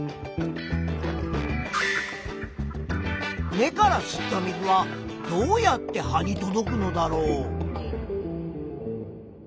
根から吸った水はどうやって葉に届くのだろう？